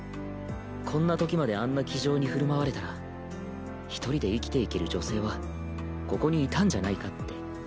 こんなときまであんな気丈に振る舞われたら一人で生きていける女性はここにいたんじゃないかって。